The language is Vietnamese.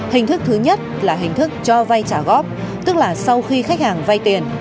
hình thức thứ nhất là hình thức cho vay trả góp tức là sau khi khách hàng vay tiền